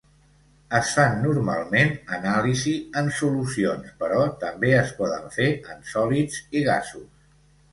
Es fan normalment anàlisi en solucions però també es poden fer en sòlids i gasos.